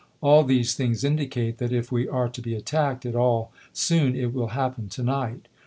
All these things indicate that if we are to be attacked at all soon, it will happen to night.